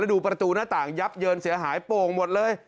ดูประตูหน้าต่างยับเยินเสียหายโป่งหมดเลย